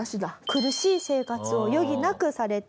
苦しい生活を余儀なくされていました。